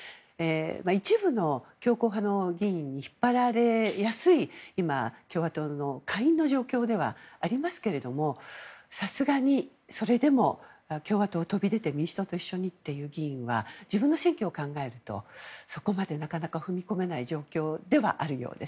一部の強硬派の議員に引っ張られやすい今、共和党の下院の状況ではありますけれどもさすがにそれでも共和党を飛び出て民主党と一緒にという議員は自分の選挙を考えるとそこまで、なかなか踏み込めない状況ではあるようです。